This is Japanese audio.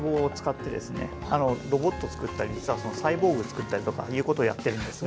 ロボットを作ったり実はそのサイボーグ作ったりとかいうことをやっているんですが。